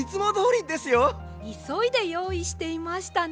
いそいでよういしていましたね。